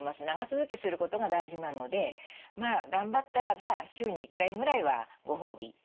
長続きすることが大事なのでまあ頑張ったらば週に１回ぐらいはご褒美